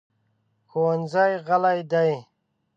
ښوونځی غلی دی.